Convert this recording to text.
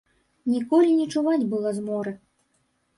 Ніколі не чуваць было зморы.